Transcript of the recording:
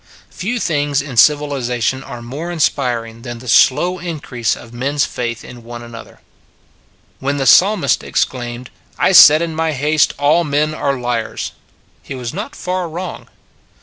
Few things in civilization are more in spiring than the slow increase of men s faith in one another. A Stock of Camouflage 19 When the Psalmist exclaimed, " I said in my haste, All men are liars," he was not far wrong.